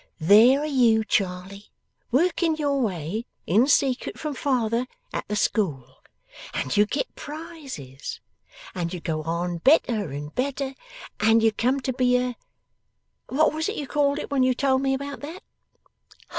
'There are you, Charley, working your way, in secret from father, at the school; and you get prizes; and you go on better and better; and you come to be a what was it you called it when you told me about that?